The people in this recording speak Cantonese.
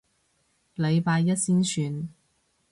禮拜一先算